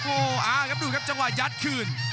โอ้โหดูครับจังหวะยัดคืน